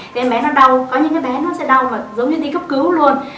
cái em bé nó đau có những cái bé nó sẽ đau giống như đi cấp cứu luôn